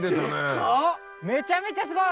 めちゃめちゃすごい！